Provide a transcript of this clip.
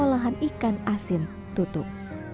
lahan ikan asin tutup